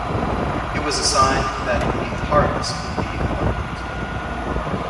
It was a sign that the harvest would be abundant.